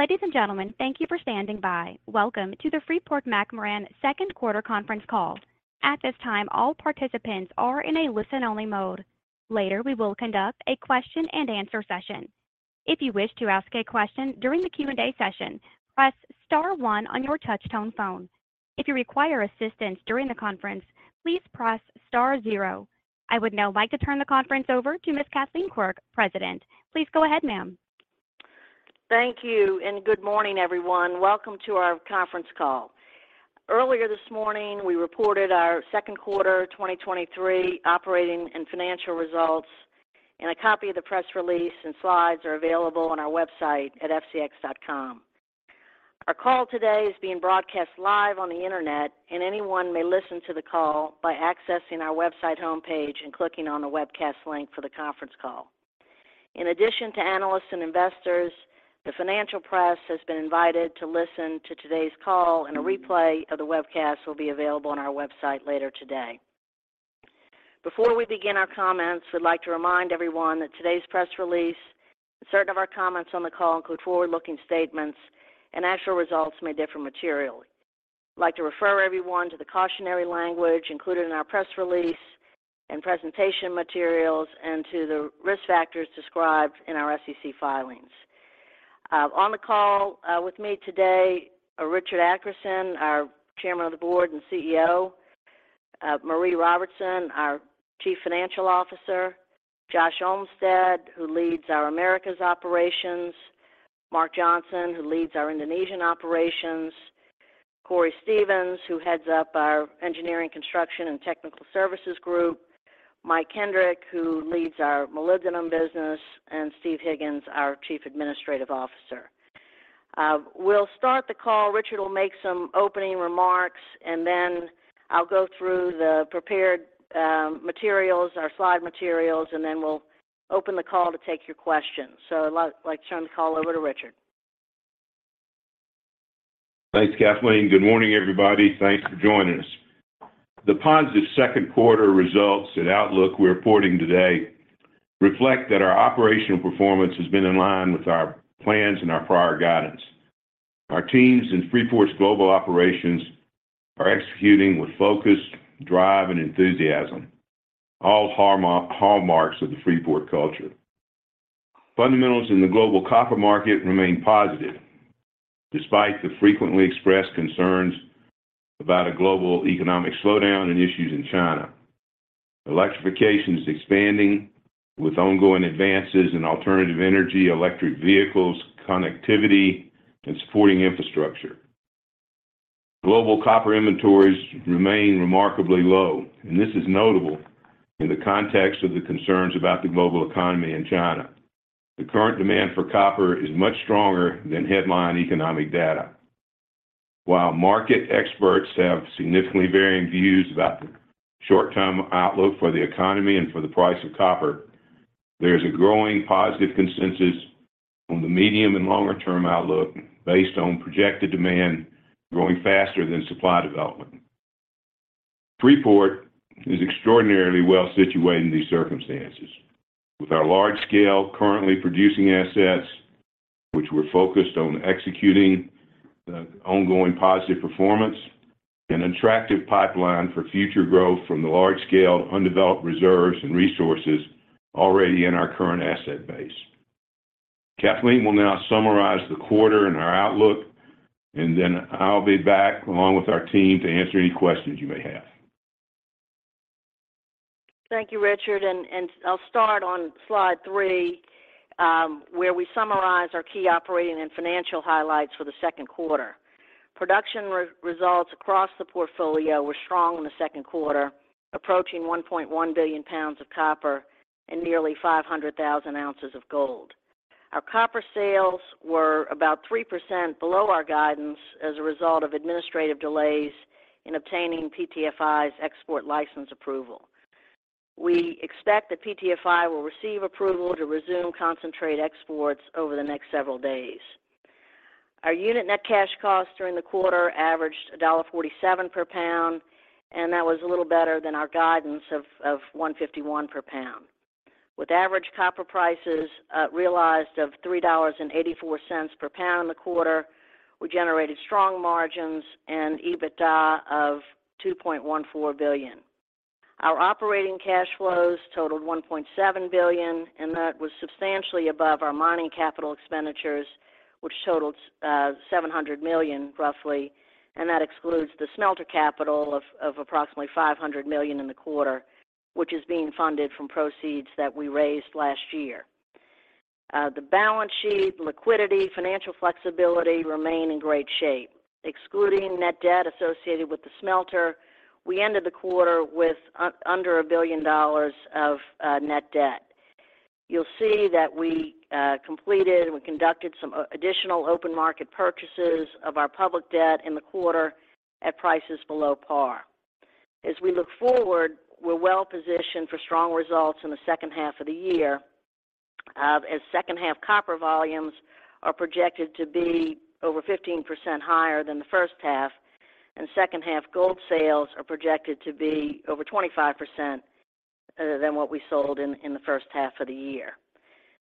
Ladies and gentlemen, thank you for standing by. Welcome to the Freeport-McMoRan second-quarter conference call. At this time, all participants are in a listen-only mode. Later, we will conduct a question-and-answer session. If you wish to ask a question during the Q&A session, press star one on your touch-tone phone. If you require assistance during the conference, please press star zero. I would now like to turn the conference over to Ms. Kathleen Quirk, President. Please go ahead, ma'am. Thank you, and good morning, everyone. Welcome to our conference call. Earlier this morning, we reported our second quarter 2023 operating and financial results, and a copy of the press release and slides are available on our website at fcx.com. Our call today is being broadcast live on the Internet, and anyone may listen to the call by accessing our website homepage and clicking on the webcast link for the conference call. In addition to analysts and investors, the financial press has been invited to listen to today's call, and a replay of the webcast will be available on our website later today. Before we begin our comments, we'd like to remind everyone that today's press release and certain of our comments on the call include forward-looking statements and actual results may differ materially. I'd like to refer everyone to the cautionary language included in our press release and presentation materials, and to the risk factors described in our SEC filings. On the call, with me today are Richard Adkerson, our Chairman of the Board and CEO, Maree Robertson, our Chief Financial Officer, Josh Olmsted, who leads our Americas operations, Mark Johnson, who leads our Indonesian operations, Cory Stevens, who heads up our Engineering, Construction and Technical Services group, Mike Kendrick, who leads our molybdenum business, and Steve Higgins, our Chief Administrative Officer. We'll start the call. Richard will make some opening remarks, and then I'll go through the prepared materials, our slide materials, and then we'll open the call to take your questions. I'd like to turn the over to Richard. Thanks, Kathleen. Good morning, everybody. Thanks for joining us. The positive second quarter results and outlook we're reporting today reflect that our operational performance has been in line with our plans and our prior guidance. Our teams in Freeport's global operations are executing with focus, drive, and enthusiasm, all hallmarks of the Freeport culture. Fundamentals in the global copper market remain positive, despite the frequently expressed concerns about a global economic slowdown and issues in China. Electrification is expanding with ongoing advances in alternative energy, electric vehicles, connectivity, and supporting infrastructure. Global copper inventories remain remarkably low, and this is notable in the context of the concerns about the global economy in China. The current demand for copper is much stronger than headline economic data. While market experts have significantly varying views about the short-term outlook for the economy and for the price of copper, there is a growing positive consensus on the medium and longer-term outlook based on projected demand growing faster than supply development. Freeport is extraordinarily well situated in these circumstances. With our large scale, currently producing assets, which we're focused on executing the ongoing positive performance and attractive pipeline for future growth from the large scale, undeveloped reserves and resources already in our current asset base. Kathleen will now summarize the quarter and our outlook, and then I'll be back along with our team to answer any questions you may have. Thank you, Richard. I'll start on slide three, where we summarize our key operating and financial highlights for the second quarter. Production re-results across the portfolio were strong in the second quarter, approaching 1.1 billion pounds of copper and nearly 500,000 ounces of gold. Our copper sales were about 3% below our guidance as a result of administrative delays in obtaining PTFI's export license approval. We expect that PTFI will receive approval to resume concentrate exports over the next several days. Our unit net cash costs during the quarter averaged $1.47 per pound, that was a little better than our guidance of $1.51 per pound. With average copper prices realized of $3.84 per pound in the quarter, we generated strong margins and EBITDA of $2.14 billion. Our operating cash flows totaled $1.7 billion. That was substantially above our mining capital expenditures, which totaled $700 million, roughly, and that excludes the smelter capital of approximately $500 million in the quarter, which is being funded from proceeds that we raised last year. The balance sheet, liquidity, financial flexibility remain in great shape. Excluding net debt associated with the smelter, we ended the quarter with under $1 billion of net debt. You'll see that we completed and we conducted some additional open market purchases of our public debt in the quarter at prices below par. As we look forward, we're well positioned for strong results in the second half of the year, as second-half copper volumes are projected to be over 15% higher than the first half, and second-half gold sales are projected to be over 25% than what we sold in the first half of the year.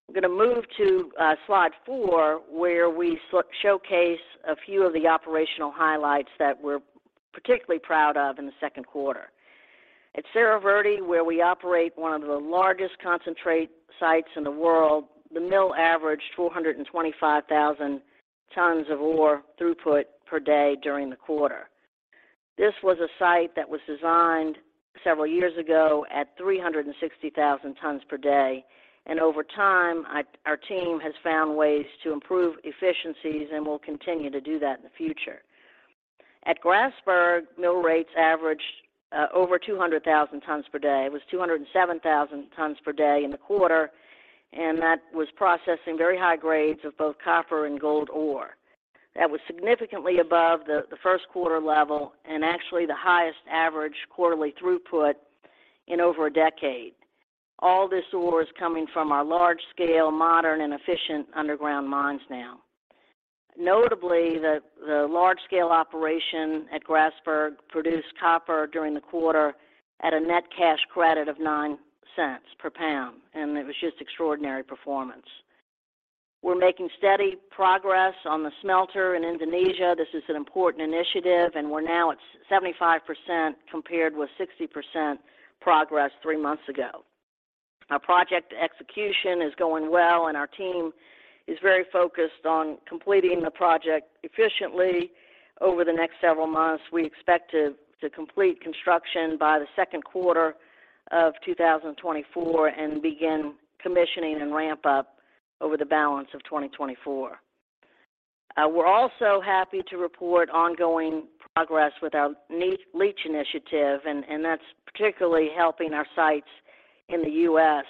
I'm gonna move to slide four, where we showcase a few of the operational highlights that we're particularly proud of in the second quarter. At Cerro Verde, where we operate one of the largest concentrate sites in the world, the mill averaged 225,000 tons of ore throughput per day during the quarter. This was a site that was designed several years ago at 360,000 tons per day, and over time, our team has found ways to improve efficiencies, and we'll continue to do that in the future. At Grasberg, mill rates averaged over 200,000 tons per day. It was 207,000 tons per day in the quarter, and that was processing very high grades of both copper and gold ore. That was significantly above the first quarter level and actually the highest average quarterly throughput in over a decade. All this ore is coming from our large-scale, modern, and efficient underground mines now. Notably, the large-scale operation at Grasberg produced copper during the quarter at a net cash credit of $0.09 per pound, and it was just extraordinary performance. We're making steady progress on the smelter in Indonesia. This is an important initiative, and we're now at 75%, compared with 60% progress three months ago. Our project execution is going well, and our team is very focused on completing the project efficiently over the next several months. We expect to complete construction by the second quarter of 2024, and begin commissioning and ramp up over the balance of 2024. We're also happy to report ongoing progress with our leach innovation, and that's particularly helping our sites in the U.S.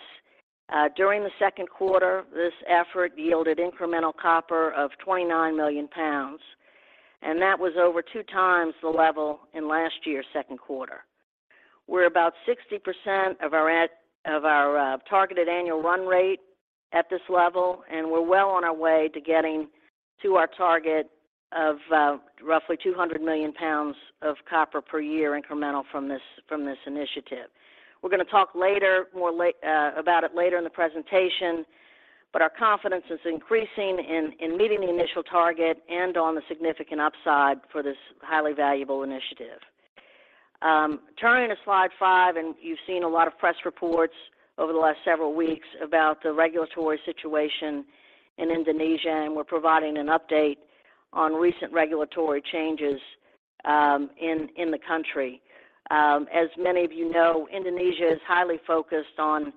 During the second quarter, this effort yielded incremental copper of 29 million pounds, and that was over 2 times the level in last year's second quarter. We're about 60% of our targeted annual run rate at this level, we're well on our way to getting to our target of roughly 200 million pounds of copper per year, incremental from this initiative. We're gonna talk later, more about it later in the presentation, our confidence is increasing in meeting the initial target, and on the significant upside for this highly valuable initiative. Turning to slide five, you've seen a lot of press reports over the last several weeks about the regulatory situation in Indonesia, we're providing an update on recent regulatory changes in the country. As many of you know, Indonesia is highly focused on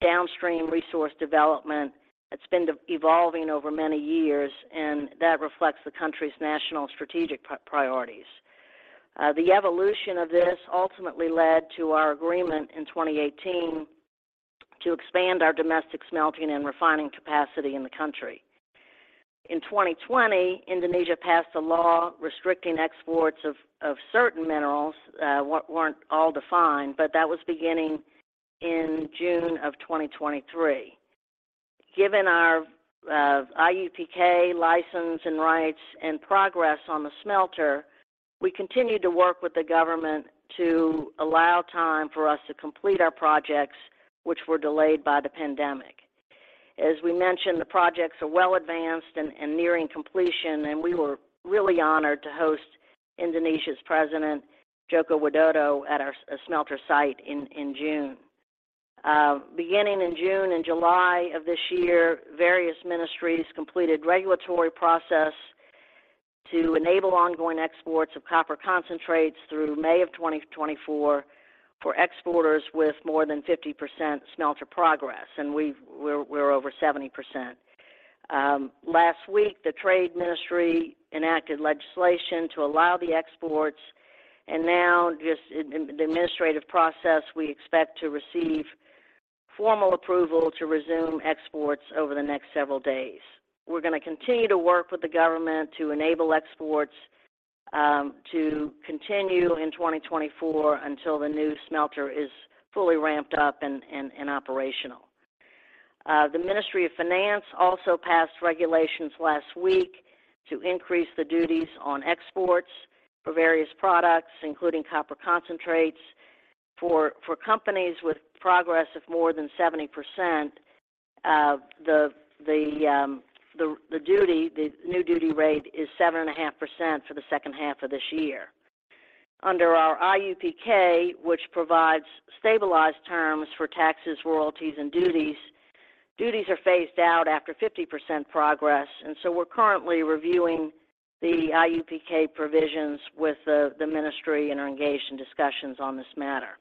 downstream resource development. It's been evolving over many years, that reflects the country's national strategic priorities. The evolution of this ultimately led to our agreement in 2018 to expand our domestic smelting and refining capacity in the country. In 2020, Indonesia passed a law restricting exports of certain minerals, weren't all defined, but that was beginning in June of 2023. Given our IUPK license and rights and progress on the smelter, we continued to work with the government to allow time for us to complete our projects, which were delayed by the pandemic. As we mentioned, the projects are well advanced and nearing completion, and we were really honored to host Indonesia's president, Joko Widodo, at our smelter site in June. Beginning in June and July of this year, various ministries completed regulatory process to enable ongoing exports of copper concentrates through May of 2024 for exporters with more than 50% smelter progress, and we're over 70%. Last week, the Trade Ministry enacted legislation to allow the exports, and now, just in the administrative process, we expect to receive formal approval to resume exports over the next several days. We're gonna continue to work with the government to enable exports to continue in 2024 until the new smelter is fully ramped up and operational. The Ministry of Finance also passed regulations last week to increase the duties on exports for various products, including copper concentrates. For companies with progress of more than 70%, the duty, the new duty rate is 7.5% for the second half of this year. Under our IUPK, which provides stabilized terms for taxes, royalties, and duties are phased out after 50% progress. We're currently reviewing the IUPK provisions with the Ministry and are engaged in discussions on this matter.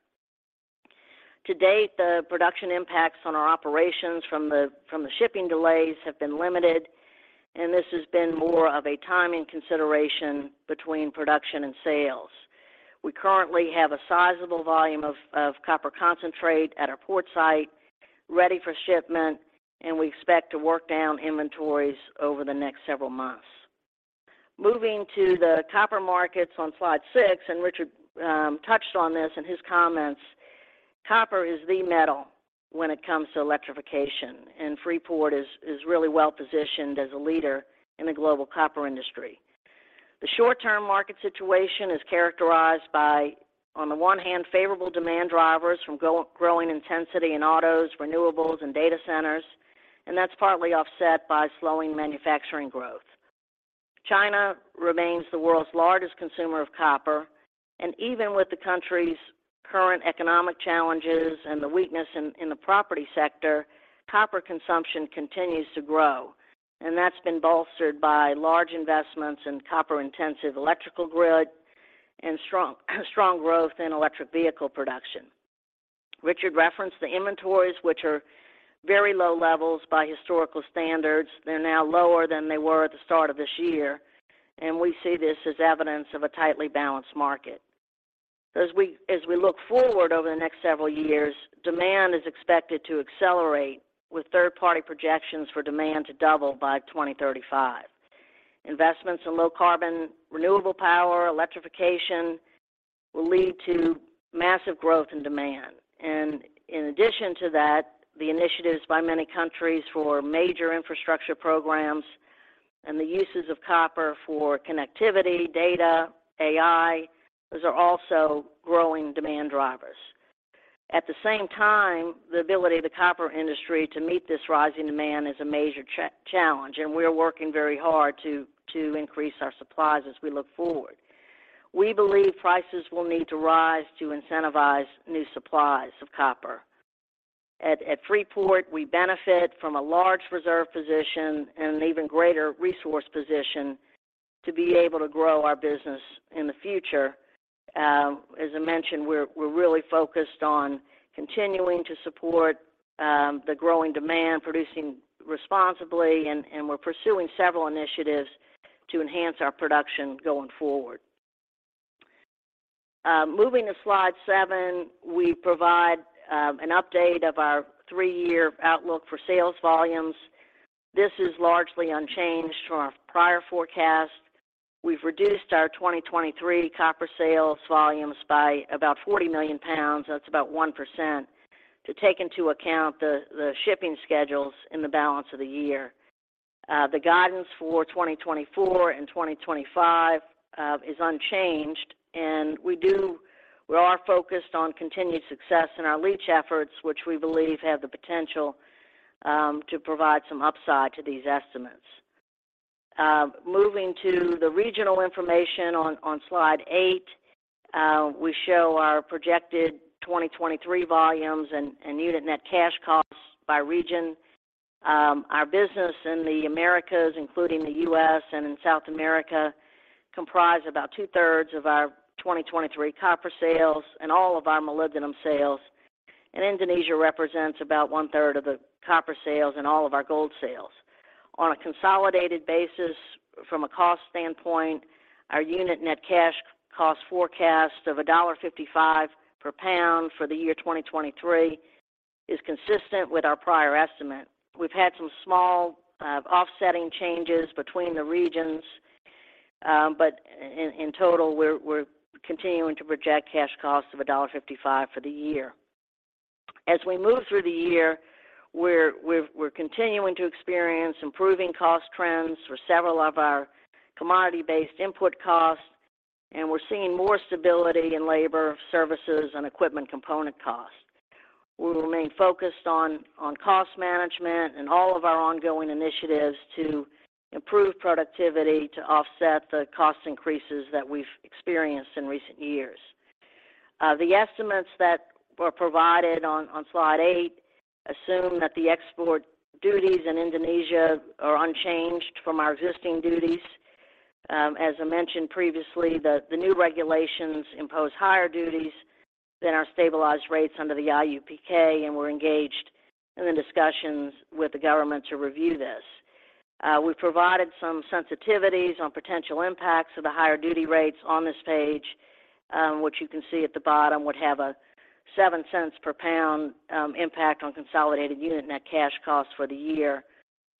To date, the production impacts on our operations from the shipping delays have been limited. This has been more of a timing consideration between production and sales. We currently have a sizable volume of copper concentrate at our port site ready for shipment. We expect to work down inventories over the next several months. Moving to the copper markets on slide six. Richard touched on this in his comments. Copper is the metal when it comes to electrification. Freeport is really well-positioned as a leader in the global copper industry. The short-term market situation is characterized by, on the one hand, favorable demand drivers from growing intensity in autos, renewables, and data centers, and that's partly offset by slowing manufacturing growth. China remains the world's largest consumer of copper. Even with the country's current economic challenges and the weakness in the property sector, copper consumption continues to grow. That's been bolstered by large investments in copper-intensive electrical grid and strong growth in electric vehicle production. Richard referenced the inventories, which are very low levels by historical standards. They're now lower than they were at the start of this year. We see this as evidence of a tightly balanced market. As we look forward over the next several years, demand is expected to accelerate, with third-party projections for demand to double by 2035. Investments in low-carbon renewable power, electrification will lead to massive growth in demand. In addition to that, the initiatives by many countries for major infrastructure programs and the uses of copper for connectivity, data, AI, those are also growing demand drivers. At the same time, the ability of the copper industry to meet this rising demand is a major challenge, and we're working very hard to increase our supplies as we look forward. We believe prices will need to rise to incentivize new supplies of copper. At Freeport, we benefit from a large reserve position and an even greater resource position to be able to grow our business in the future. As I mentioned, we're really focused on continuing to support the growing demand, producing responsibly, and we're pursuing several initiatives to enhance our production going forward. Moving to slide seven, we provide an update of our three-year outlook for sales volumes. This is largely unchanged from our prior forecast. We've reduced our 2023 copper sales volumes by about 40 million pounds, that's about 1%, to take into account the shipping schedules in the balance of the year. The guidance for 2024 and 2025 is unchanged. We are focused on continued success in our leach efforts, which we believe have the potential to provide some upside to these estimates. Moving to the regional information on slide eight, we show our projected 2023 volumes and unit net cash costs by region. Our business in the Americas, including the U.S. and in South America, comprise about 2/3 of our 2023 copper sales and all of our molybdenum sales. Indonesia represents about 1/3 of the copper sales and all of our gold sales. On a consolidated basis, from a cost standpoint, our unit net cash cost forecast of $1.55 per pound for the year 2023, is consistent with our prior estimate. We've had some small, offsetting changes between the regions, but in total, we're continuing to project cash costs of $1.55 for the year. As we move through the year, we're continuing to experience improving cost trends for several of our commodity-based input costs, and we're seeing more stability in labor, services, and equipment component costs. We will remain focused on cost management and all of our ongoing initiatives to improve productivity, to offset the cost increases that we've experienced in recent years. The estimates that were provided on slide eight assume that the export duties in Indonesia are unchanged from our existing duties. As I mentioned previously, the new regulations impose higher duties than our stabilized rates under the IUPK, and we're engaged in the discussions with the government to review this. We provided some sensitivities on potential impacts of the higher duty rates on this page, which you can see at the bottom would have a $0.07 per pound impact on consolidated unit net cash costs for the year,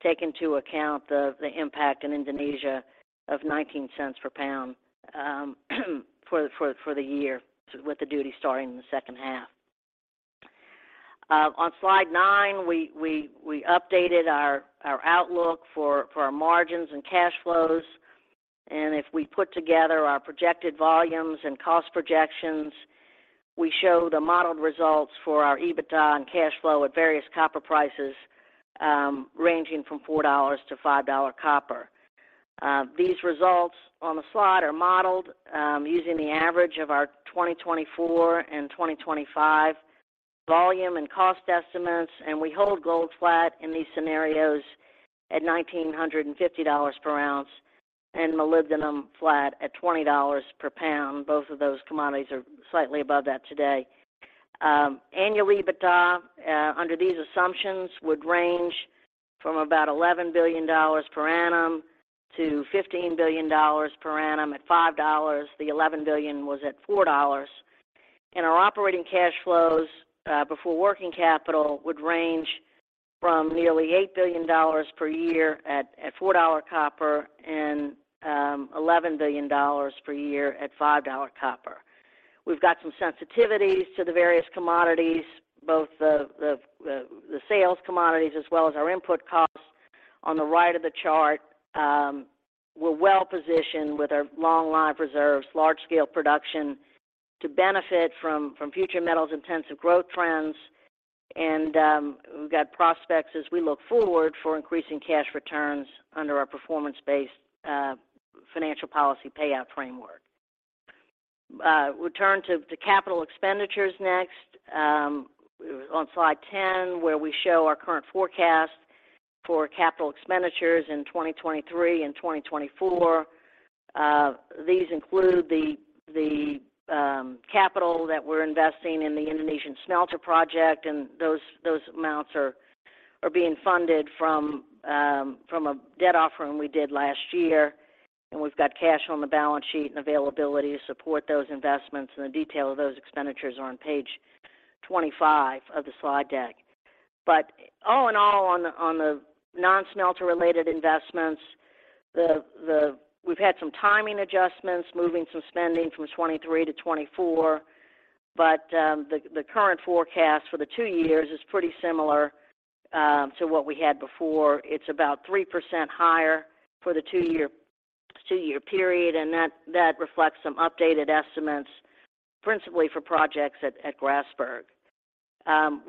take into account the impact in Indonesia of $0.19 per pound for the year, with the duty starting in the second half. On slide nine, we updated our outlook for our margins and cash flows, and if we put together our projected volumes and cost projections, we show the modeled results for our EBITDA and cash flow at various copper prices, ranging from $4 to $5 copper. These results on the slide are modeled, using the average of our 2024 and 2025 volume and cost estimates, and we hold gold flat in these scenarios at $1,950 per ounce and molybdenum flat at $20 per pound. Both of those commodities are slightly above that today. Annual EBITDA, under these assumptions, would range from about $11 billion per annum-$15 billion per annum. At $5, the $11 billion was at $4. Our operating cash flows, before working capital, would range from nearly $8 billion per year at $4 copper and $11 billion per year at $5 copper. We've got some sensitivities to the various commodities, both the sales commodities as well as our input costs. On the right of the chart, we're well-positioned with our long-life reserves, large-scale production to benefit from future metals-intensive growth trends. We've got prospects as we look forward for increasing cash returns under our performance-based financial policy payout framework. We'll turn to capital expenditures next on slide 10, where we show our current forecast for capital expenditures in 2023 and 2024. These include the capital that we're investing in the Indonesian smelter project, and those amounts are being funded from a debt offering we did last year. We've got cash on the balance sheet and availability to support those investments, and the detail of those expenditures are on page 25 of the slide deck. All in all, on the non-smelter-related investments, we've had some timing adjustments, moving some spending from 2023 to 2024, but the current forecast for the two years is pretty similar to what we had before. It's about 3% higher for the two-year period, and that reflects some updated estimates, principally for projects at Grasberg.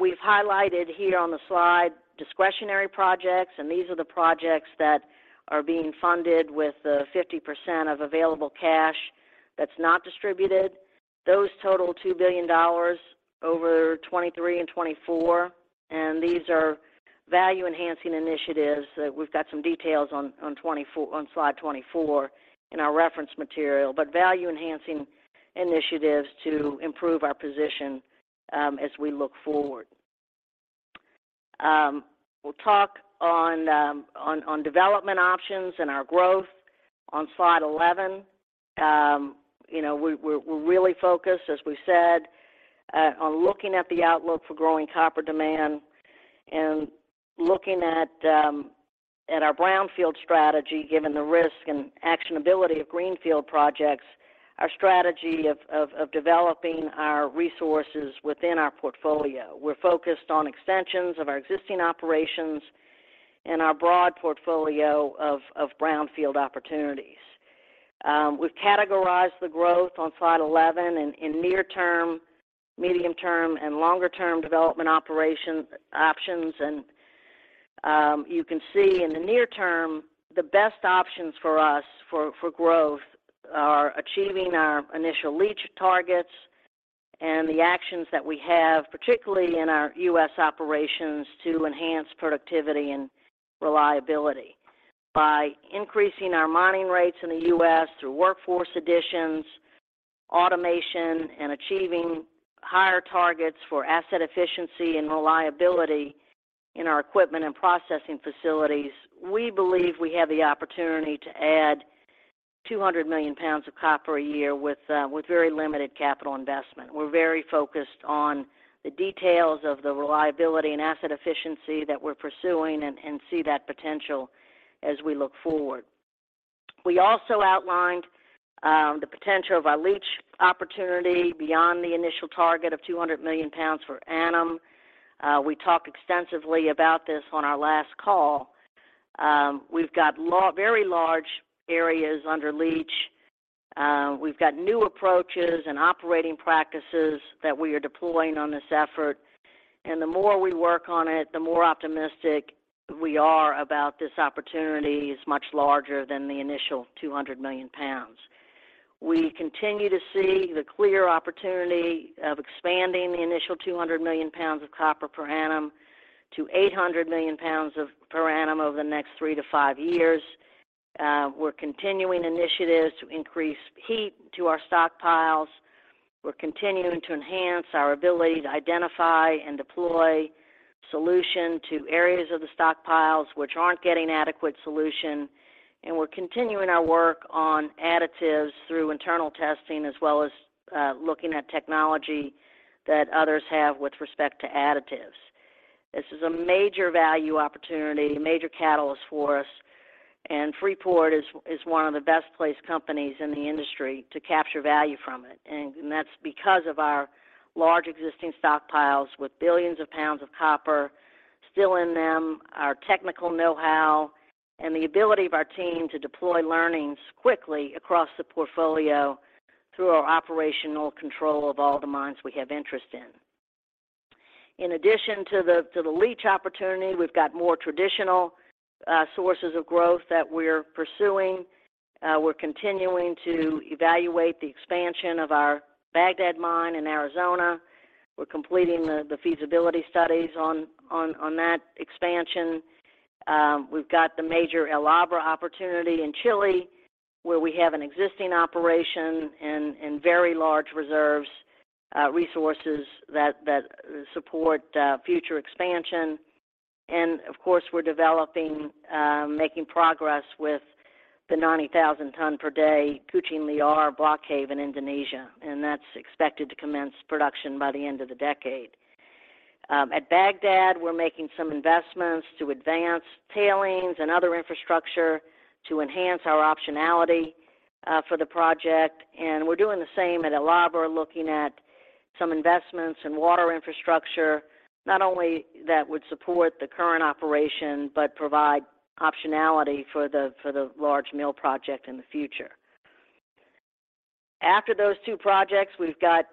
We've highlighted here on the slide discretionary projects, and these are the projects that are being funded with the 50% of available cash that's not distributed. Those total $2 billion over 2023 and 2024, and these are value-enhancing initiatives that we've got some details on Slide 24 in our reference material, but value-enhancing initiatives to improve our position as we look forward. We'll talk on development options and our growth on slide 11. You know, we're really focused, as we said, on looking at the outlook for growing copper demand and looking at our brownfield strategy, given the risk and actionability of greenfield projects, our strategy of developing our resources within our portfolio. We're focused on extensions of our existing operations and our broad portfolio of brownfield opportunities. We've categorized the growth on slide 11 in near term, medium term, and longer-term development operation options. You can see in the near term, the best options for us for growth are achieving our initial leach targets and the actions that we have, particularly in our U.S. operations, to enhance productivity and reliability. By increasing our mining rates in the U.S. through workforce additions, automation, and achieving higher targets for asset efficiency and reliability in our equipment and processing facilities, we believe we have the opportunity to add 200 million pounds of copper a year with very limited capital investment. We're very focused on the details of the reliability and asset efficiency that we're pursuing and see that potential as we look forward. We also outlined the potential of our leach opportunity beyond the initial target of 200 million pounds per annum. We talked extensively about this on our last call. We've got very large areas under leach. We've got new approaches and operating practices that we are deploying on this effort, and the more we work on it, the more optimistic we are about this opportunity is much larger than the initial 200 million pounds. We continue to see the clear opportunity of expanding the initial 200 million pounds of copper per annum to 800 million pounds of per annum over the next three to five years. We're continuing initiatives to increase heap to our stockpiles. We're continuing to enhance our ability to identify and deploy solution to areas of the stockpiles which aren't getting adequate solution. We're continuing our work on additives through internal testing, as well as, looking at technology that others have with respect to additives. This is a major value opportunity, a major catalyst for us, and Freeport is one of the best-placed companies in the industry to capture value from it. That's because of our large existing stockpiles with billions of pounds of copper still in them, our technical know-how, and the ability of our team to deploy learnings quickly across the portfolio through our operational control of all the mines we have interest in. In addition to the leach opportunity, we've got more traditional sources of growth that we're pursuing. We're continuing to evaluate the expansion of our Bagdad Mine in Arizona. We're completing the feasibility studies on that expansion. We've got the major El Abra opportunity in Chile, where we have an existing operation and very large reserves, resources that support future expansion. Of course, we're developing, making progress with the 90,000-ton-per-day Kucing Liar Block Cave in Indonesia, and that's expected to commence production by the end of the decade. At Bagdad, we're making some investments to advance tailings and other infrastructure to enhance our optionality for the project. We're doing the same at El Abra, looking at some investments in water infrastructure, not only that would support the current operation, but provide optionality for the large mill project in the future. After those two projects, we've got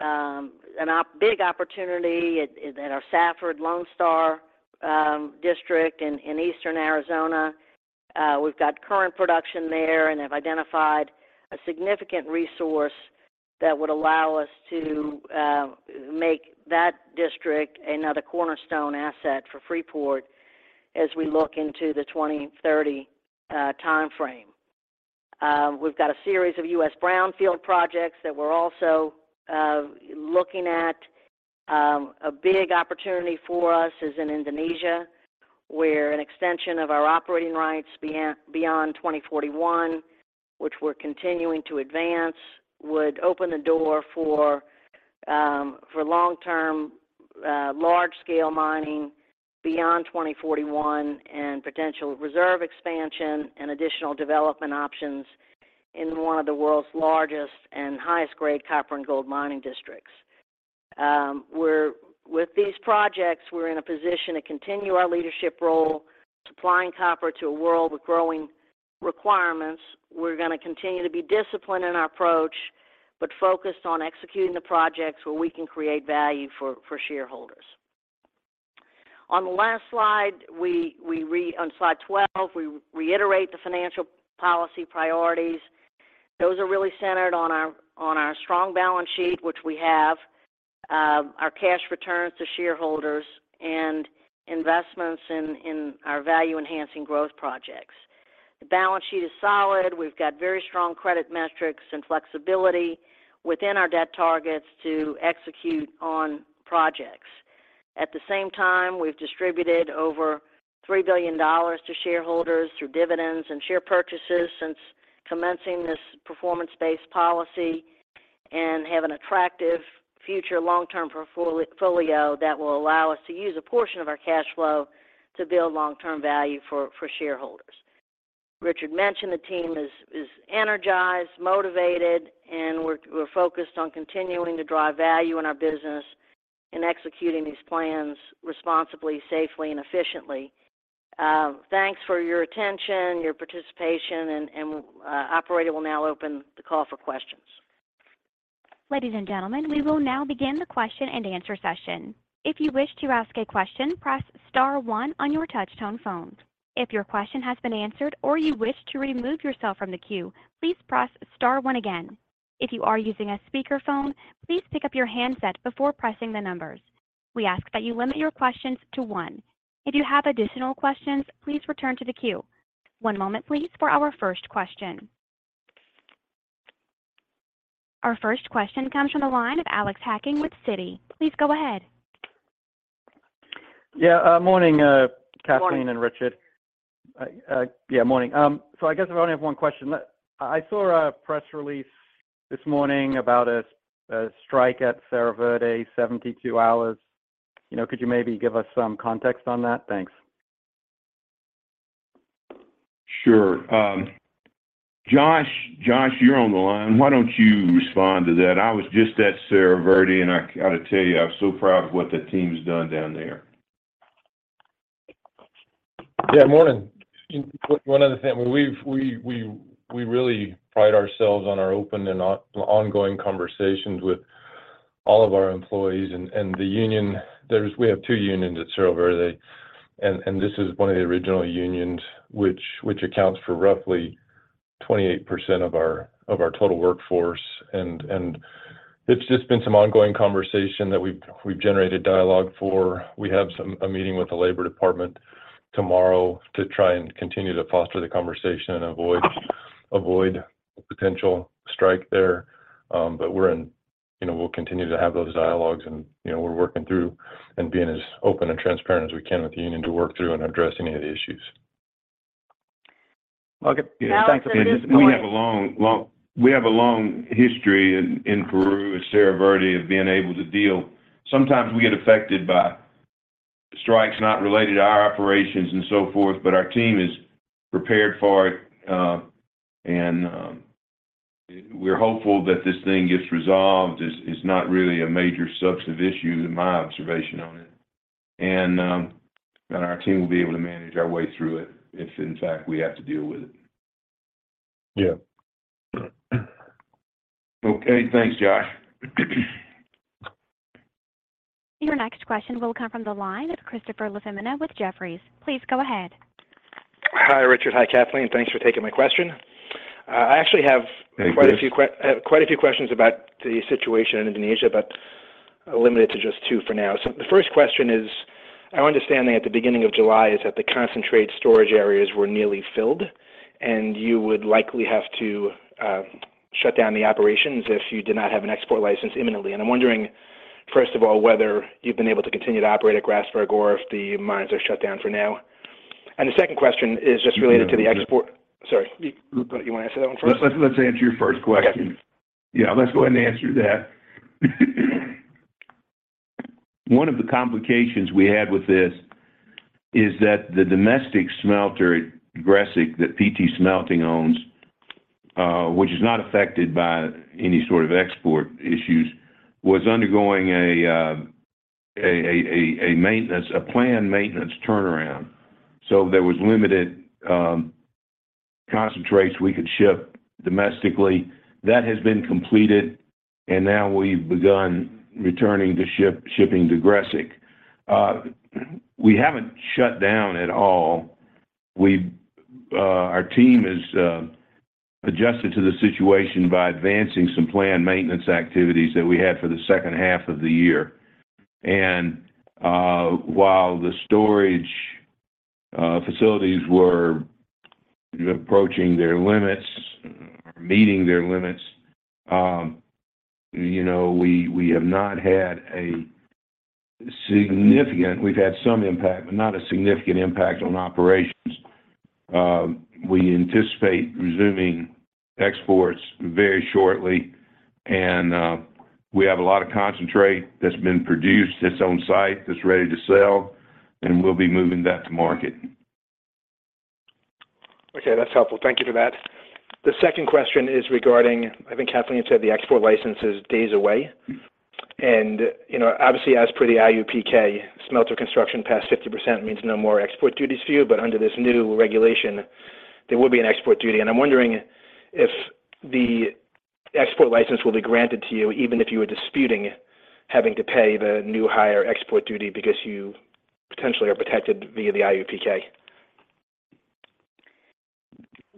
a big opportunity at, in our Safford Lone Star district in eastern Arizona. We've got current production there and have identified a significant resource that would allow us to make that district another cornerstone asset for Freeport as we look into the 2030 timeframe. We've got a series of U.S. brownfield projects that we're also looking at a big opportunity for us is in Indonesia, where an extension of our operating rights beyond 2041, which we're continuing to advance, would open the door for long-term, large-scale mining beyond 2041, and potential reserve expansion and additional development options in one of the world's largest and highest grade copper and gold mining districts. With these projects, we're in a position to continue our leadership role, supplying copper to a world with growing requirements. We're going to continue to be disciplined in our approach, but focused on executing the projects where we can create value for shareholders. On the last slide, on slide 12, we reiterate the financial policy priorities. Those are really centered on our strong balance sheet, which we have, our cash returns to shareholders and investments in our value-enhancing growth projects. The balance sheet is solid. We've got very strong credit metrics and flexibility within our debt targets to execute on projects. At the same time, we've distributed over $3 billion to shareholders through dividends and share purchases since commencing this performance-based policy, and have an attractive future long-term portfolio that will allow us to use a portion of our cash flow to build long-term value for shareholders. Richard mentioned the team is energized, motivated, and we're focused on continuing to drive value in our business and executing these plans responsibly, safely, and efficiently. Thanks for your attention, your participation, and operator will now open the call for questions. Ladies and gentlemen, we will now begin the question-and-answer session. If you wish to ask a question, press star one on your touch-tone phone. If your question has been answered or you wish to remove yourself from the queue, please press star one again. If you are using a speakerphone, please pick up your handset before pressing the numbers. We ask that you limit your questions to one. If you have additional questions, please return to the queue. One moment, please, for our first question. Our first question comes from the line of Alex Hacking with Citi. Please go ahead. Yeah, morning, Kathleen- Morning. Richard. Yeah, morning. I guess I only have one question. I saw a press release this morning about a strike at Cerro Verde, 72 hours. You know, could you maybe give us some context on that? Thanks. Sure. Josh, you're on the line. Why don't you respond to that? I was just at Cerro Verde, and I gotta tell you, I'm so proud of what the team's done down there. Yeah, morning. One other thing, we really pride ourselves on our open and ongoing conversations with all of our employees and the union. We have two unions at Cerro Verde, and this is one of the original unions, which accounts for roughly 28% of our total workforce. It's just been some ongoing conversation that we've generated dialogue for. We have a meeting with the Labor Department tomorrow to try and continue to foster the conversation and avoid a potential strike there. You know, we'll continue to have those dialogues, and, you know, we're working through and being as open and transparent as we can with the union to work through and address any of the issues. Okay. Thanks, again. We have a long history in Peru at Cerro Verde of being able to deal. Sometimes we get affected by strikes not related to our operations and so forth, but our team is prepared for it, and we're hopeful that this thing gets resolved. It's not really a major substantive issue, in my observation on it. Our team will be able to manage our way through it, if in fact, we have to deal with it. Yeah. Okay. Thanks, Josh. Your next question will come from the line of Christopher LaFemina with Jefferies. Please go ahead. Hi, Richard. Hi, Kathleen. Thanks for taking my question. Actually, I have quite a few questions about the situation in Indonesia. I'll limit it to just two for now. The first question is, I understand that at the beginning of July, is that the concentrate storage areas were nearly filled, and you would likely have to shut down the operations if you did not have an export license imminently. I'm wondering, first of all, whether you've been able to continue to operate at Grasberg or if the mines are shut down for now? The second question is just related to the export. Sorry, you want to answer that one first? Let's answer your first question. Okay. Yeah, let's go ahead and answer that. One of the complications we had with this is that the domestic smelter at Gresik, that PT Smelting owns, which is not affected by any sort of export issues, was undergoing a maintenance, a planned maintenance turnaround. There was limited concentrates we could ship domestically. That has been completed, now we've begun returning to shipping to Gresik. We haven't shut down at all. We've, our team has adjusted to the situation by advancing some planned maintenance activities that we had for the second half of the year. While the storage facilities were approaching their limits, or meeting their limits, you know, we've had some impact, but not a significant impact on operations. We anticipate resuming exports very shortly, and we have a lot of concentrate that's been produced that's on site, that's ready to sell, and we'll be moving that to market. Okay, that's helpful. Thank you for that. The second question is regarding, I think Kathleen said the export license is days away. You know, obviously, as per the IUPK, smelter construction past 50% means no more export duties for you, but under this new regulation, there will be an export duty. I'm wondering if the export license will be granted to you, even if you are disputing having to pay the new higher export duty because you potentially are protected via the IUPK?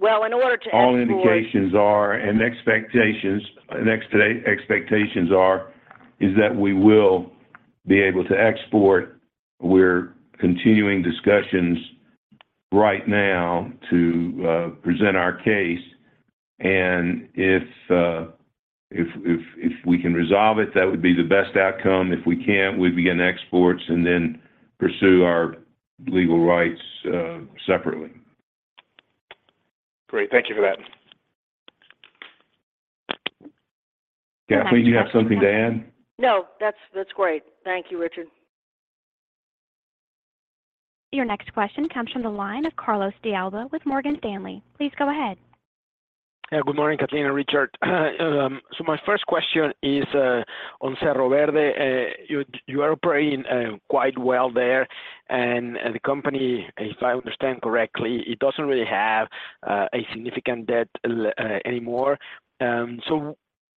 Well, in order to... All indications are, expectations, ex-today, expectations are, is that we will be able to export. We're continuing discussions right now to present our case, and if we can resolve it, that would be the best outcome. If we can't, we begin exports and then pursue our legal rights separately. Great. Thank you for that. Kathleen, do you have something to add? No, that's great. Thank you, Richard. Your next question comes from the line of Carlos de Alba with Morgan Stanley. Please go ahead. Yeah. Good morning, Kathleen and Richard. My first question is on Cerro Verde. You are operating quite well there, and the company, if I understand correctly, it doesn't really have a significant debt anymore.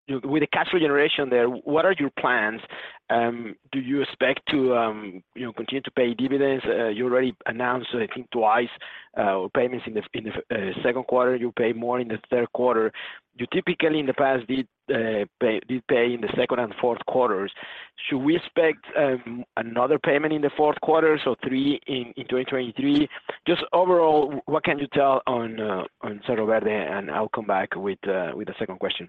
With the cash generation there, what are your plans? Do you expect to, you know, continue to pay dividends? You already announced, I think twice, payments in the, in the second quarter, you pay more in the third quarter. You typically in the past did pay in the second and fourth quarters. Should we expect another payment in the fourth quarter, so three in 2023? Just overall, what can you tell on Cerro Verde? I'll come back with the second question.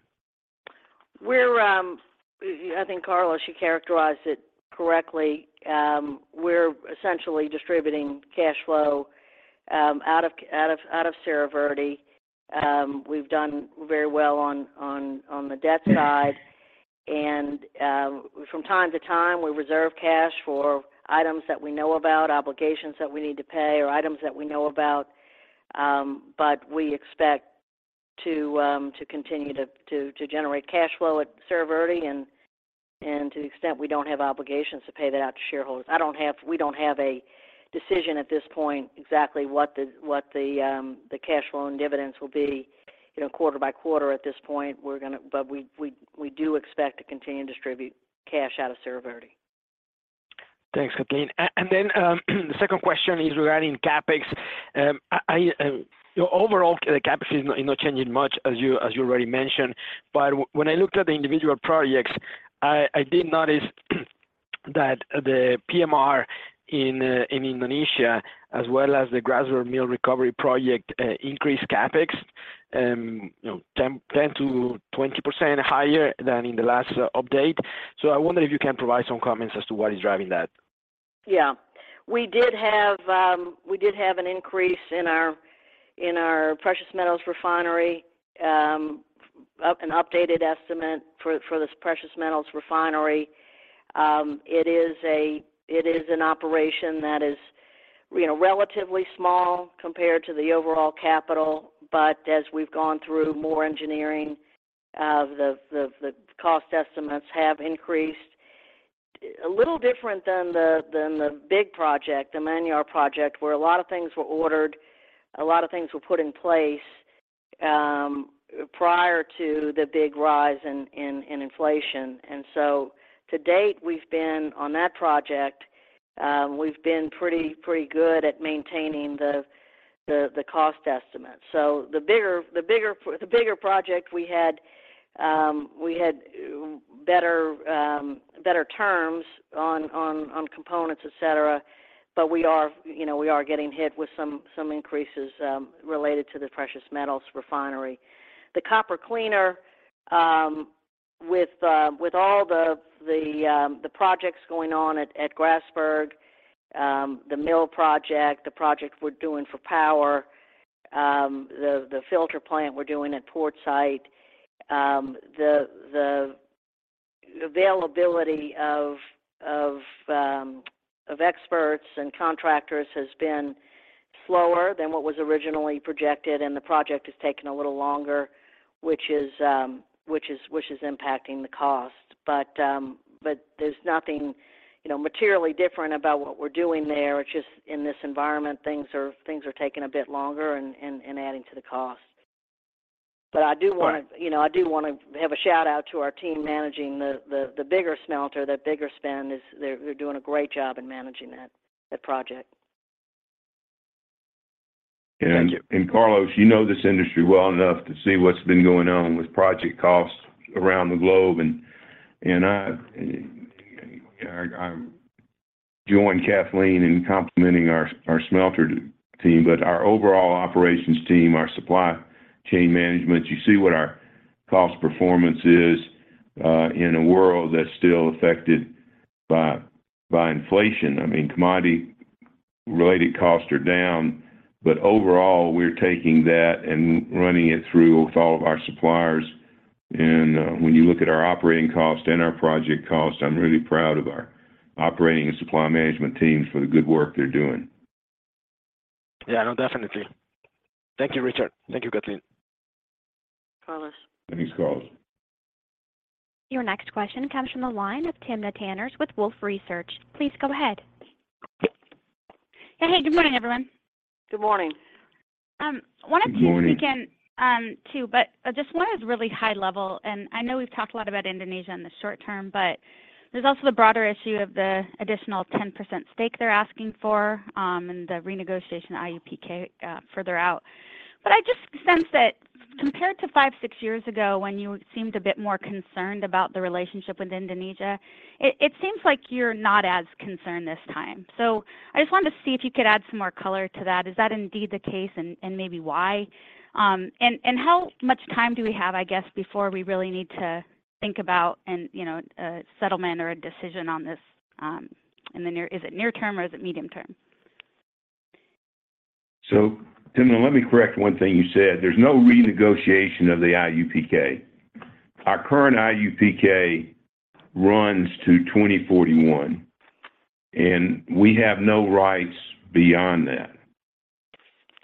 We're, I think, Carlos, you characterized it correctly. We're essentially distributing cash flow, out of Cerro Verde. We've done very well on the debt side. From time to time, we reserve cash for items that we know about, obligations that we need to pay, or items that we know about. We expect to continue to generate cash flow at Cerro Verde, and to the extent we don't have obligations to pay that out to shareholders. We don't have a decision at this point, exactly what the cash flow and dividends will be, you know, quarter by quarter at this point. We're gonna, but we do expect to continue to distribute cash out of Cerro Verde. Thanks, Kathleen. The second question is regarding CapEx. Overall, the CapEx is not changing much as you, as you already mentioned, but when I looked at the individual projects, I did notice that the PMR in Indonesia, as well as the Grasberg Mill Recovery project, increased CapEx 10%-20% higher than in the last update. I wonder if you can provide some comments as to what is driving that? Yeah. We did have, we did have an increase in our precious metals refinery, an updated estimate for this precious metals refinery. It is an operation that is, you know, relatively small compared to the overall capital, but as we've gone through more engineering, the cost estimates have increased. A little different than the big project, the Manyar project, where a lot of things were ordered, a lot of things were put in place, prior to the big rise in inflation. To date, we've been on that project, we've been pretty good at maintaining the, the cost estimate. The bigger project we had better terms on components, et cetera, but we are, you know, we are getting hit with some increases related to the precious metals refinery. The copper cleaner. With all the projects going on at Grasberg, the mill project, the project we're doing for power, the filter plant we're doing at port site, the availability of experts and contractors has been slower than what was originally projected, and the project has taken a little longer, which is impacting the cost. There's nothing, you know, materially different about what we're doing there. It's just in this environment, things are taking a bit longer and adding to the cost. Right. You know, I do wanna have a shout-out to our team managing the bigger smelter, the bigger spend, is they're doing a great job in managing that project. Carlos, you know this industry well enough to see what's been going on with project costs around the globe. I join Kathleen in complimenting our smelter team, but our overall operations team, our supply chain management, you see what our cost performance is in a world that's still affected by inflation. I mean, commodity-related costs are down, overall, we're taking that and running it through with all of our suppliers. When you look at our operating cost and our project cost, I'm really proud of our operating and supply management teams for the good work they're doing. Yeah, no, definitely. Thank you, Richard. Thank you, Kathleen. Carlos. Thanks, Carlos. Your next question comes from the line of Timna Tanners with Wolfe Research. Please go ahead. Hey, good morning, everyone. Good morning. Good morning. Just wanted to really high level, and I know we've talked a lot about Indonesia in the short term, but there's also the broader issue of the additional 10% stake they're asking for, and the renegotiation IUPK further out. I just sense that compared to five, six years ago, when you seemed a bit more concerned about the relationship with Indonesia, it seems like you're not as concerned this time. I just wanted to see if you could add some more color to that. Is that indeed the case, and maybe why? And how much time do we have, I guess, before we really need to think about and you know, a settlement or a decision on this? is it near term, or is it medium term? Timna, let me correct one thing you said. There's no renegotiation of the IUPK. Our current IUPK runs to 2041, and we have no rights beyond that.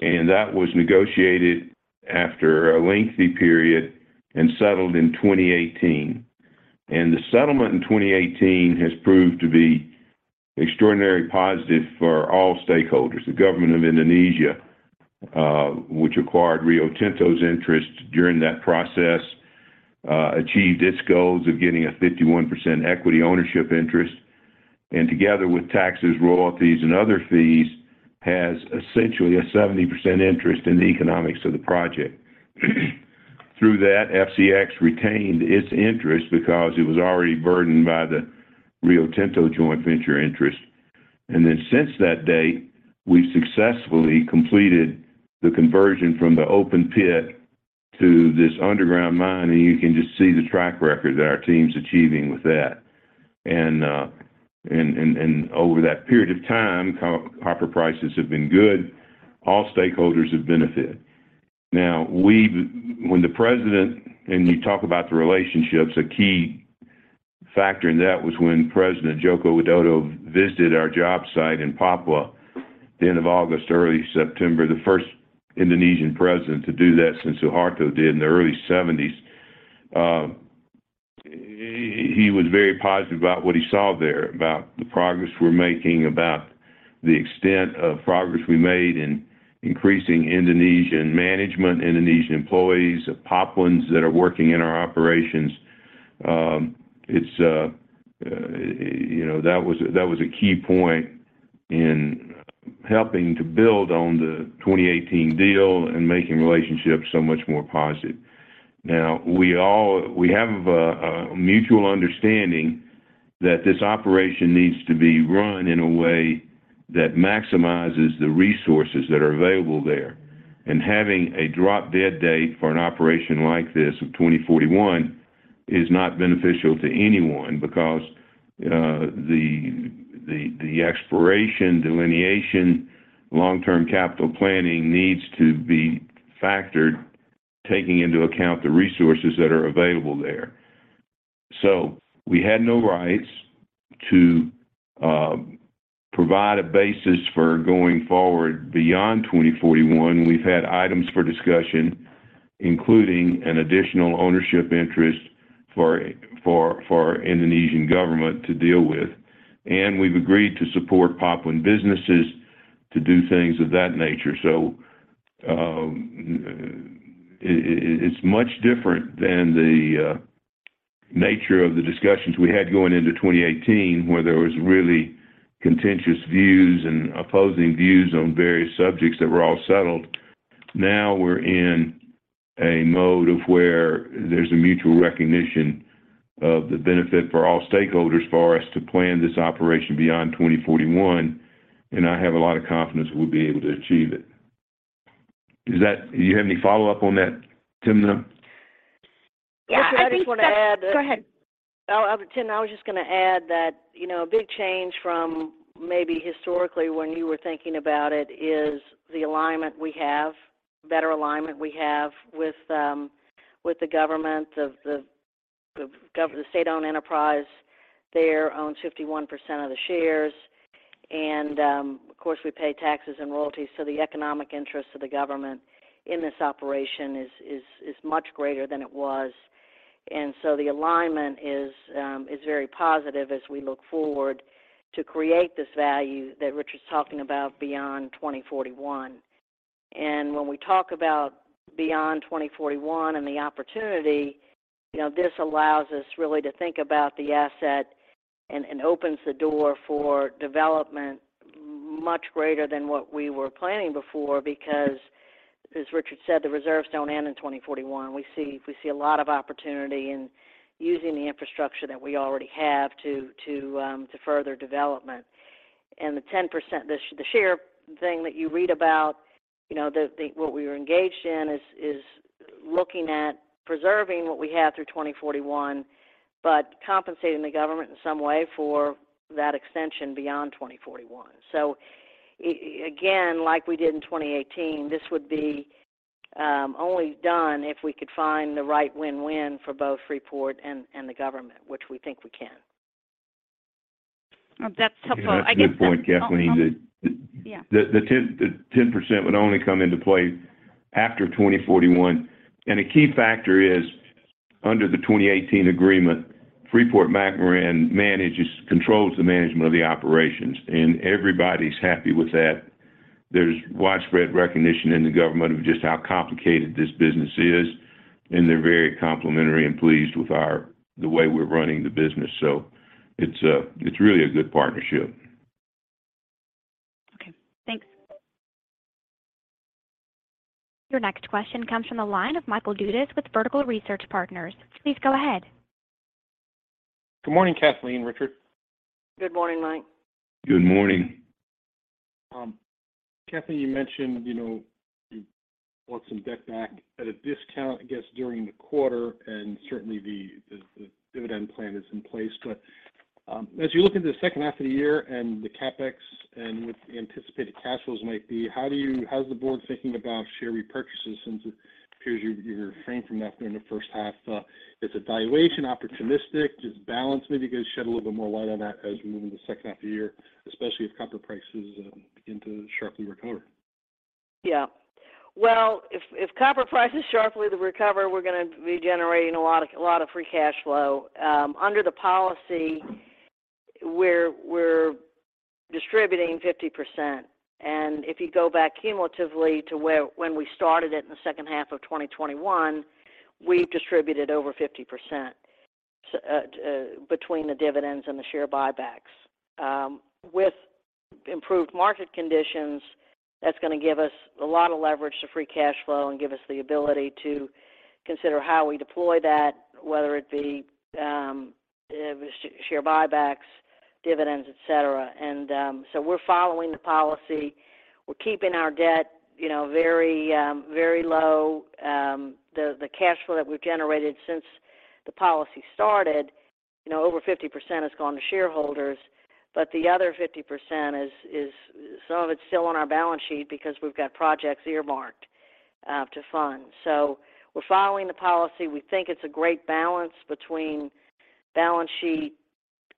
That was negotiated after a lengthy period and settled in 2018. The settlement in 2018 has proved to be extraordinary positive for all stakeholders. The Government of Indonesia, which acquired Rio Tinto's interest during that process, achieved its goals of getting a 51% equity ownership interest, and together with taxes, royalties, and other fees, has essentially a 70% interest in the economics of the project. Through that, FCX retained its interest because it was already burdened by the Rio Tinto joint venture interest. Since that date, we've successfully completed the conversion from the open pit to this underground mine, and you can just see the track record that our team's achieving with that. And over that period of time, copper prices have been good. All stakeholders have benefited. When the president and you talk about the relationships, a key factor in that was when President Joko Widodo visited our job site in Papua, the end of August, early September, the first Indonesian president to do that since Suharto did in the early 1970s. He was very positive about what he saw there, about the progress we're making, about the extent of progress we made in increasing Indonesian management, Indonesian employees, the Papuans that are working in our operations. It's, you know, that was a key point in helping to build on the 2018 deal and making relationships so much more positive. We all, we have a mutual understanding that this operation needs to be run in a way that maximizes the resources that are available there. Having a drop-dead date for an operation like this of 2041 is not beneficial to anyone because the exploration, delineation, long-term capital planning needs to be factored, taking into account the resources that are available there. We had no rights to provide a basis for going forward beyond 2041. We've had items for discussion, including an additional ownership interest for Indonesian government to deal with. We've agreed to support Papuan businesses to do things of that nature. It's much different than the nature of the discussions we had going into 2018, where there was really contentious views and opposing views on various subjects that were all settled. Now, we're in a mode of where there's a mutual recognition of the benefit for all stakeholders for us to plan this operation beyond 2041. I have a lot of confidence we'll be able to achieve it. Do you have any follow-up on that, Timna? Yeah, I just want to add. Go ahead. Oh, Timna, I was just going to add that, you know, a big change from maybe historically when you were thinking about it, is the alignment we have, better alignment we have with the government of the state-owned enterprise there owns 51% of the shares. Of course, we pay taxes and royalties, so the economic interests of the government in this operation is much greater than it was. So the alignment is very positive as we look forward to create this value that Richard's talking about beyond 2041. When we talk about beyond 2041 and the opportunity, you know, this allows us really to think about the asset and opens the door for development much greater than what we were planning before, because as Richard said, the reserves don't end in 2041. We see a lot of opportunity in using the infrastructure that we already have to further development. The 10%, the share thing that you read about, you know, what we were engaged in is looking at preserving what we have through 2041, compensating the government in some way for that extension beyond 2041. Again, like we did in 2018, this would be only done if we could find the right win-win for both Freeport and the government, which we think we can. Oh, that's helpful. I guess. That's a good point, Kathleen. Oh, yeah. The 10% would only come into play after 2041. A key factor is, under the 2018 agreement, Freeport-McMoRan controls the management of the operations, and everybody's happy with that. There's widespread recognition in the government of just how complicated this business is, and they're very complimentary and pleased with our, the way we're running the business. It's really a good partnership. Okay, thanks. Your next question comes from the line of Michael Dudas with Vertical Research Partners. Please go ahead. Good morning, Kathleen, Richard. Good morning, Mike. Good morning. Kathleen, you mentioned, you know, you want some debt back at a discount, I guess, during the quarter, and certainly the dividend plan is in place. As you look at the second half of the year and the CapEx and what the anticipated cash flows might be, how is the board thinking about share repurchases since it appears you refrained from that in the first half? Is it valuation, opportunistic, just balance? Maybe you could shed a little bit more light on that as we move into the second half of the year, especially if copper prices begin to sharply recover. Yeah. Well, if copper prices sharply recover, we're gonna be generating a lot of free cash flow. Under the policy, we're distributing 50%, and if you go back cumulatively to when we started it in the second half of 2021, we've distributed over 50% between the dividends and the share buybacks. With improved market conditions, that's gonna give us a lot of leverage to free cash flow and give us the ability to consider how we deploy that, whether it be share buybacks, dividends, et cetera. We're following the policy. We're keeping our debt, you know, very low. The cash flow that we've generated since the policy started, you know, over 50% has gone to shareholders, but the other 50% is some of it's still on our balance sheet because we've got projects earmarked to fund. We're following the policy. We think it's a great balance between balance sheet,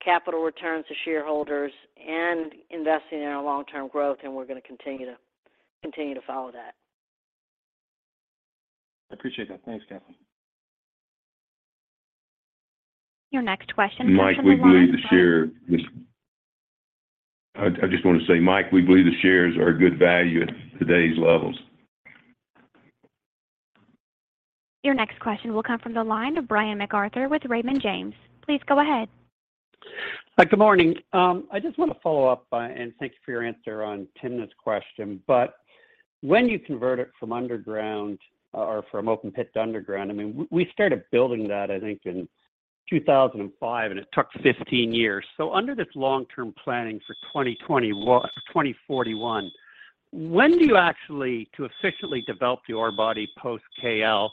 capital returns to shareholders, and investing in our long-term growth, and we're gonna continue to follow that. I appreciate that. Thanks, Kathleen. Your next question comes from the line of. Mike, I just want to say, Mike, we believe the shares are a good value at today's levels. Your next question will come from the line of Brian MacArthur with Raymond James. Please go ahead. Hi, good morning. I just want to follow up by, and thanks for your answer on Timna's question. When you convert it from underground or from open pit to underground, I mean, we started building that, I think, in 2005, and it took 15 years. Under this long-term planning for 2021-2041, when do you actually to efficiently develop the ore body post-KL?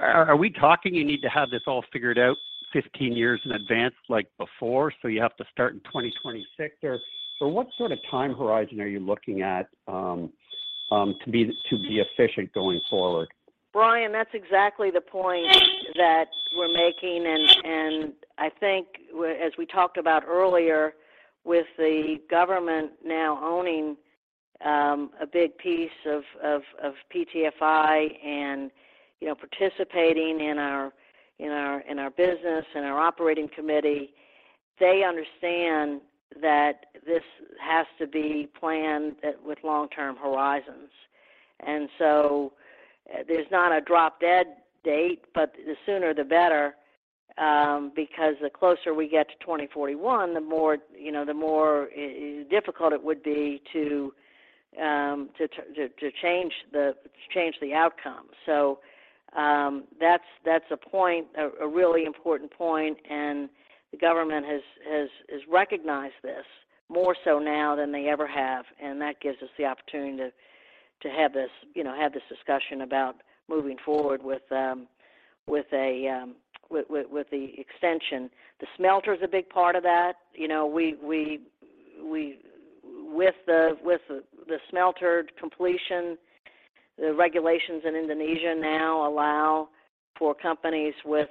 Are we talking you need to have this all figured out 15 years in advance, like before, so you have to start in 2026 there? What sort of time horizon are you looking at to be efficient going forward? Brian, that's exactly the point that we're making. I think as we talked about earlier with the government now owning a big piece of PTFI and, you know, participating in our business and our operating committee, they understand that this has to be planned with long-term horizons. There's not a drop-dead date, but the sooner the better, because the closer we get to 2041, the more, you know, the more difficult it would be to to change the outcome. That's a point, a really important point. The government has recognized this more so now than they ever have. That gives us the opportunity to have this, you know, have this discussion about moving forward with a with the extension. The smelter's a big part of that. You know, we with the smelter completion, the regulations in Indonesia now allow for companies with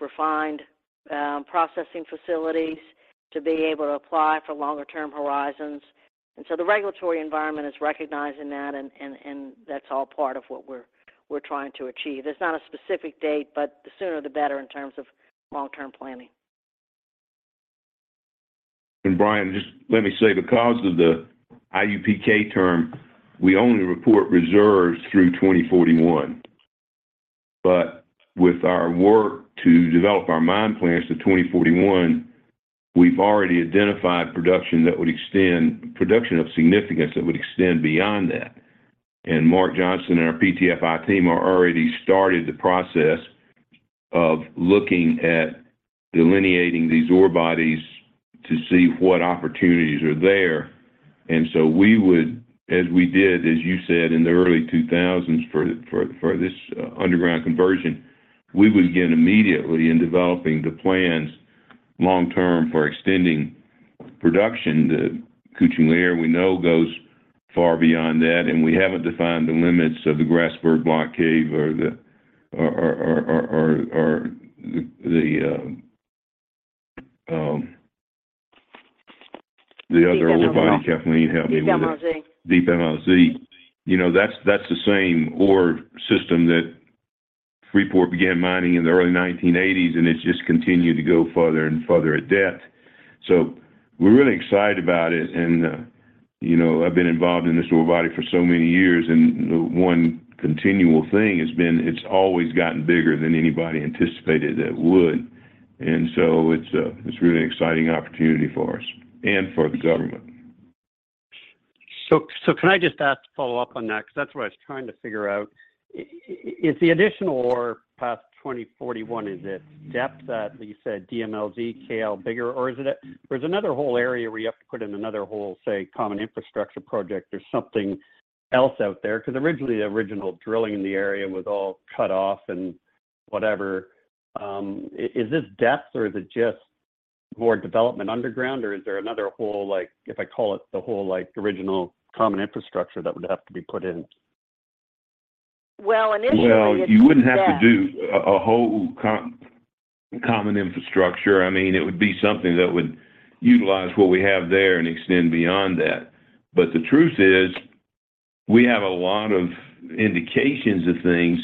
refined processing facilities to be able to apply for longer term horizons. The regulatory environment is recognizing that, and that's all part of what we're trying to achieve. There's not a specific date, but the sooner the better in terms of long-term planning. Brian, just let me say, because of the IUPK term, we only report reserves through 2041. With our work to develop our mine plans to 2041, we've already identified production that would extend, production of significance that would extend beyond that. Mark Johnson and our PTFI team are already started the process of looking at delineating these ore bodies to see what opportunities are there. We would, as we did, as you said, in the early 2000s, for this underground conversion, we would begin immediately in developing the plans-long-term for extending production. The Kucing Liar, we know, goes far beyond that, and we haven't defined the limits of the Grasberg Block Cave or the other ore body. Kathleen, help me with it. DMLZ. Deep MLZ. You know, that's the same ore system that Freeport began mining in the early 1980s, and it's just continued to go further and further at depth. We're really excited about it, and, you know, I've been involved in this ore body for so many years, and the one continual thing has been it's always gotten bigger than anybody anticipated it would. It's a really exciting opportunity for us and for the government. Can I just ask to follow up on that? That's what I was trying to figure out. Is the additional ore past 2041, is it depth, you said DMLZ, KL bigger, or is it There's another whole area where you have to put in another whole, say, common infrastructure project? There's something else out there, originally, the original drilling in the area was all cut off and whatever. Is this depth, or is it just more development underground, or is there another whole, like, if I call it the whole, like, original common infrastructure that would have to be put in? Well, you wouldn't have to do a whole common infrastructure. I mean, it would be something that would utilize what we have there and extend beyond that. The truth is, we have a lot of indications of things,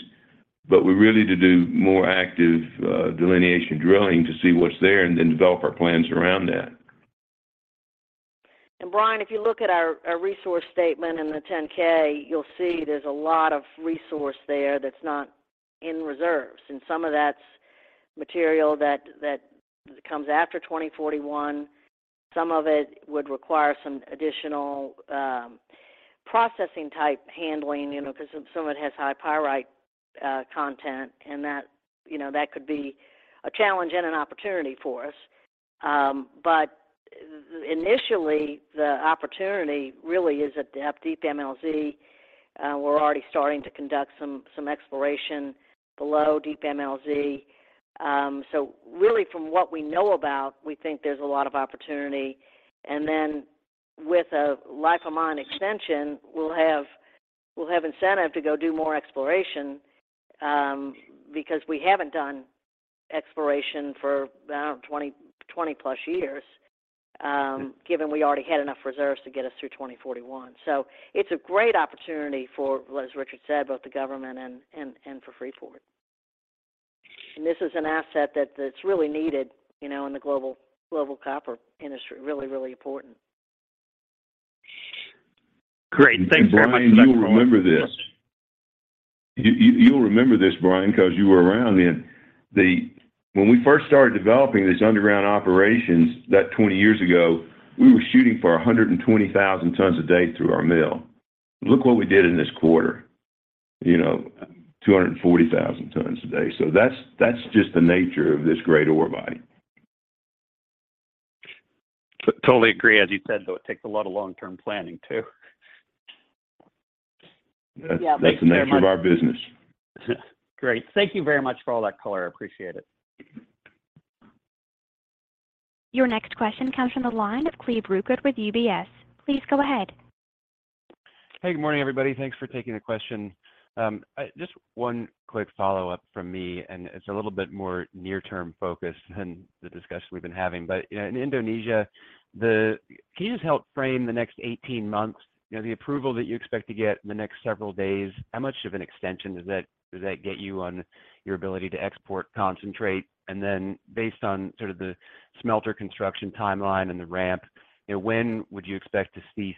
but we really need to do more active delineation drilling to see what's there and then develop our plans around that. Brian, if you look at our resource statement in the 10-K, you'll see there's a lot of resource there that's not in reserves, and some of that's material that comes after 2041. Some of it would require some additional processing-type handling, you know, because some of it has high pyrite content, and that, you know, that could be a challenge and an opportunity for us. Initially, the opportunity really is at depth, Deep MLZ. We're already starting to conduct some exploration below Deep MLZ. Really, from what we know about, we think there's a lot of opportunity. With a life of mine extension, we'll have incentive to go do more exploration, because we haven't done exploration for, I don't know, 20+ years, given we already had enough reserves to get us through 2041. It's a great opportunity for, as Richard said, both the government and for Freeport. This is an asset that's really needed, you know, in the global copper industry. Really, really important. Great. Thank you very much. Brian, you'll remember this. You'll remember this, Brian, because you were around then. When we first started developing these underground operations, that 20 years ago, we were shooting for 120,000 tons a day through our mill. Look what we did in this quarter, you know, 240,000 tons a day. That's just the nature of this great ore body. Totally agree. As you said, though, it takes a lot of long-term planning, too. Yeah. That's the nature of our business. Great. Thank you very much for all that color. I appreciate it. Your next question comes from the line of Cleve Rueckert with UBS. Please go ahead. Hey, good morning, everybody. Thanks for taking the question. Just one quick follow-up from me, and it's a little bit more near-term focused than the discussion we've been having. You know, in Indonesia, can you just help frame the next 18 months? You know, the approval that you expect to get in the next several days, how much of an extension does that get you on your ability to export concentrate? And then based on sort of the smelter construction timeline and the ramp, you know, when would you expect to see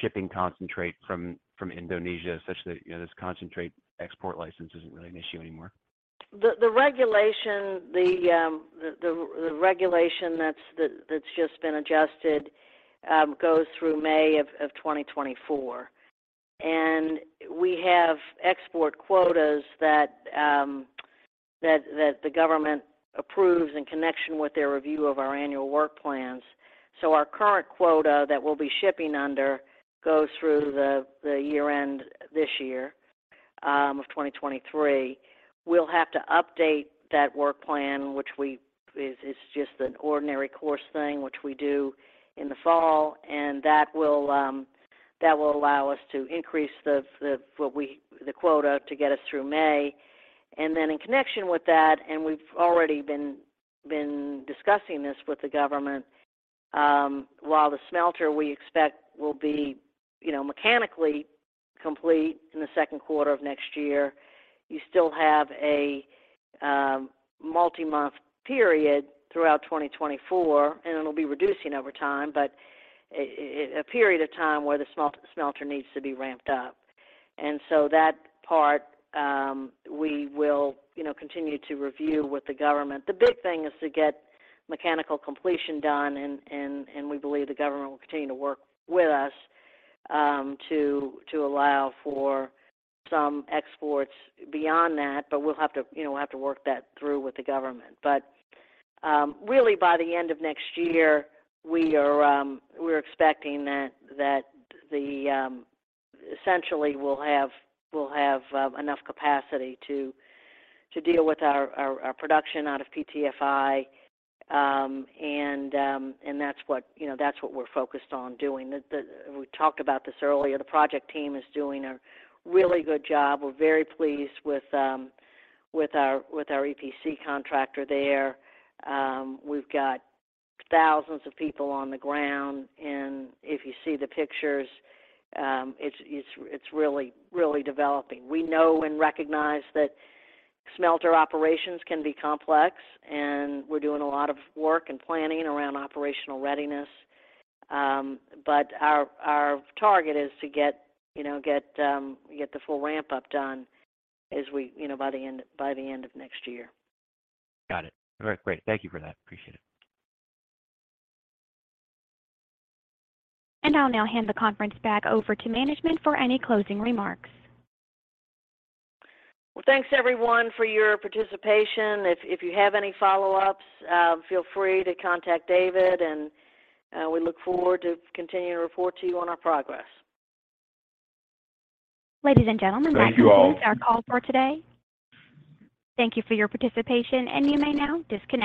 shipping concentrate from Indonesia, such that, you know, this concentrate export license isn't really an issue anymore? The regulation that's just been adjusted goes through May of 2024. We have export quotas that the government approves in connection with their review of our annual work plans. Our current quota that we'll be shipping under goes through the year-end this year, of 2023. We'll have to update that work plan, which it's just an ordinary course thing, which we do in the fall, and that will allow us to increase the, what we, the quota to get us through May. In connection with that, and we've already been discussing this with the government, while the smelter we expect will be, you know, mechanically complete in the second quarter of next year, you still have a multi-month period throughout 2024, and it'll be reducing over time, but a period of time where the smelter needs to be ramped up. That part, we will, you know, continue to review with the government. The big thing is to get mechanical completion done, and we believe the government will continue to work with us to allow for some exports beyond that, but we'll have to, you know, we'll have to work that through with the government. Really, by the end of next year, we're expecting that essentially we'll have enough capacity to deal with our production out of PTFI. That's what, you know, that's what we're focused on doing. We talked about this earlier, the project team is doing a really good job. We're very pleased with our EPC contractor there. We've got thousands of people on the ground, and if you see the pictures, it's really, really developing. We know and recognize that smelter operations can be complex, and we're doing a lot of work and planning around operational readiness. Our, our target is to get, you know, get the full ramp-up done as we, you know, by the end of next year. Got it. All right, great. Thank you for that. Appreciate it. I'll now hand the conference back over to management for any closing remarks. Well, thanks everyone for your participation. If you have any follow-ups, feel free to contact David, and we look forward to continuing to report to you on our progress. Ladies and gentlemen- Thank you all. That concludes our call for today. Thank you for your participation, and you may now disconnect.